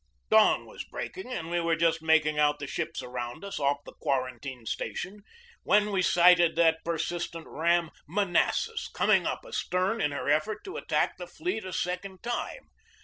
Dawn was breaking and we were just making out the ships around us, off the quarantine station, when we sighted that per sistent ram Manassas coming up astern in her effort to attack the fleet a second time.